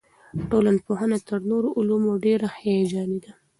ټولنپوهنه تر نورو علومو ډېره هیجاني ده.